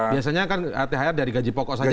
biasanya kan thr dari gaji pokok saja